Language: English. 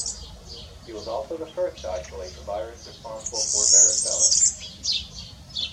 He was also the first to isolate the virus responsible for varicella.